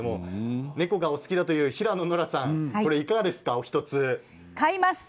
猫がお好きだという平野ノラさん買います！